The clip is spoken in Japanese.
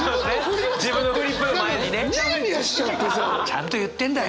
ちゃんと言ってんだよ！